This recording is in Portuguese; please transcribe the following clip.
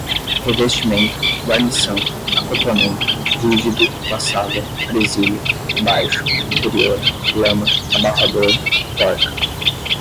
revestimento, guarnição, acoplamento, rígido, laçada, presilha, baixo, inferior, lama, abafador, porca